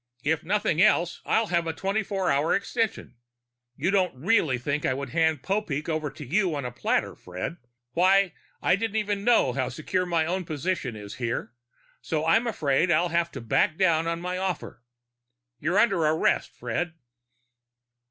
"If nothing else, I'll have a twenty four extension. You didn't really think I could hand Popeek over to you on a platter, Fred? Why, I don't even know how secure my own position is here. So I'm afraid I'll have to back down on my offer. You're under arrest, Fred!"